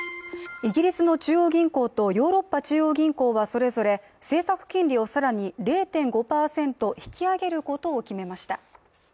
イギリスの中央銀行とヨーロッパ中央銀行はそれぞれ政策金利を更に０．５％引き上げることを決めました。